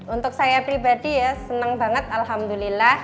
untuk saya pribadi ya senang banget alhamdulillah